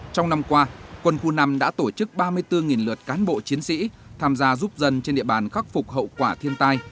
trong năm qua quân khu năm đã tổ chức ba mươi bốn lượt cán bộ chiến sĩ tham gia giúp dân trên địa bàn khắc phục hậu quả thiên tai